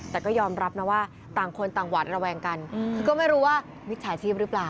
แต่ก็ยอมรับนะว่าต่างคนต่างหวาดระแวงกันคือก็ไม่รู้ว่ามิจฉาชีพหรือเปล่า